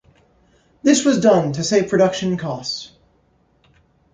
This was done to save production costs.